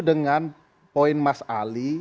dengan poin mas ali